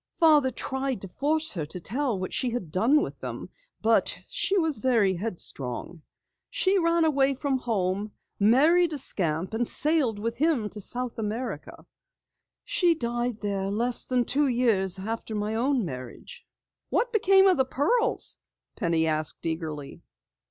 Father tried to force her to tell what she had done with them, but she was very headstrong. She ran away from home, married a scamp, and sailed with him to South America. She died there less than two years after my own marriage." "What became of the pearls?" Penny asked eagerly.